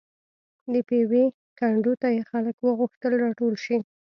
د پېوې کنډو ته یې خلک وغوښتل راټول شي.